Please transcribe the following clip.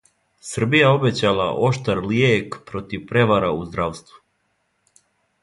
Србија обећала оштар лијек против превара у здравству